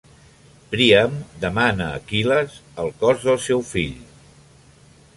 Príam demana a Aquil·les el cos del seu fill.